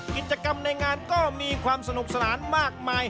กิจกรรมในงานก็มีความสนุกสนานมากมาย